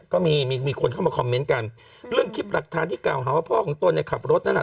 ก็มีมีคนเข้ามาคอมเมนต์กันเรื่องคลิปหลักฐานที่กล่าวหาว่าพ่อของตนเนี่ยขับรถนั่นน่ะ